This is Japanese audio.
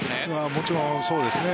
もちろんそうですね。